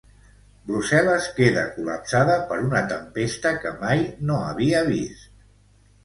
Brussel·les queda col·lapsada per una tempesta que mai no havia vist.